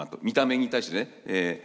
見た目に対してね。